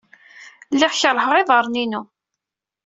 Lliɣ kerrfeɣ iḍarren-inu.